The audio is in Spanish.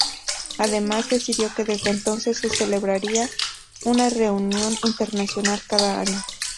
Además, se decidió que desde entonces se celebraría una reunión internacional cada año.